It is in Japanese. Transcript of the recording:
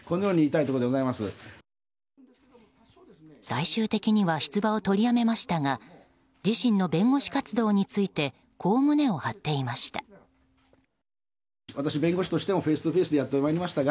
最終的には出馬を取りやめましたが自身の弁護士活動についてこう胸を張っていました。